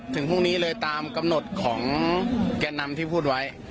ถึงพรุ่งนี้เลยตามกำหนดของแก่นำที่พูดไว้